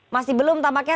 masih belum tampaknya